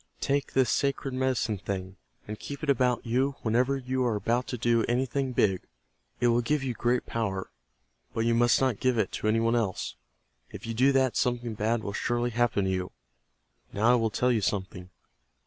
Take this sacred Medicine Thing, and keep it about you whenever you are about to do anything big. It will give you great power. But you must not give it to any one else. If you do that, something bad will surely happen to you. Now I will tell you something.